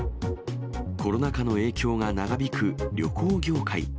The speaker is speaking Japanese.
コロナ禍の影響が長引く旅行業界。